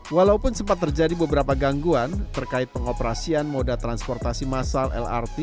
walaupun sempat terjadi beberapa gangguan terkait pengoperasian moda transportasi masal lrt